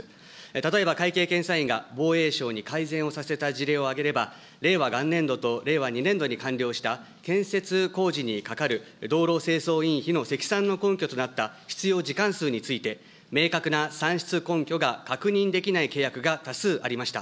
例えば会計検査院が防衛省に改善をさせた事例を挙げれば、令和元年度と令和２年度に完了した建設工事にかかる道路清掃員費の積算の根拠となった必要時間数について、明確な算出根拠が確認できない契約が多数ありました。